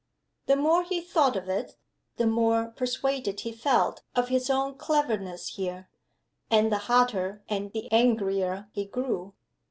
The more he thought of it, the more persuaded he felt of his own cleverness here, and the hotter and the angrier he grew.